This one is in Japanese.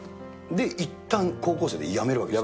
で、いったん高校生でやめるわけですか？